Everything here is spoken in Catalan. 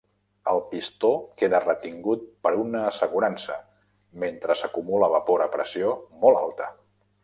El pistó queda retingut per una assegurança mentre s'acumula vapor a pressió molt alta.